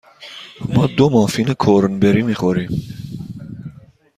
ما دو مافین کرنبری می خوریم.